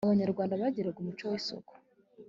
abanyarwanda bagiraga umuco w'isuku